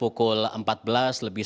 hingga sekarang belum dapat dilihat